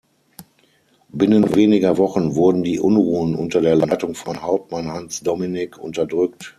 Binnen weniger Wochen wurden die Unruhen unter der Leitung von Hauptmann Hans Dominik unterdrückt.